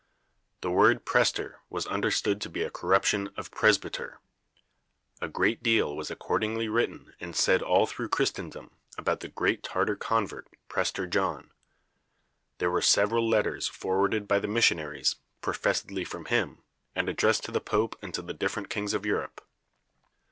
The word prester was understood to be a corruption of presbyter. A great deal was accordingly written and said all through Christendom about the great Tartar convert, Prester John. There were several letters forwarded by the missionaries, professedly from him, and addressed to the Pope and to the different kings of Europe.